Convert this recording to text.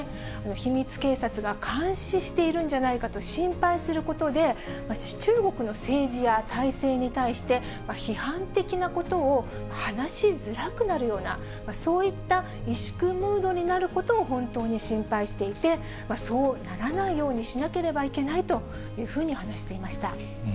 秘密警察が監視しているんじゃないかと心配することで、中国の政治や体制に対して、批判的なことを話しづらくなるような、そういった委縮ムードになることを本当に心配していて、そうならないようにしなければいけないというふうに話していました。